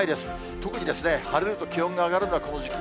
特に晴れると気温が上がるのがこの時期。